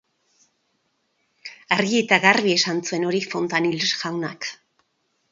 Argi eta garbi esan zuen hori Fontanills jaunak.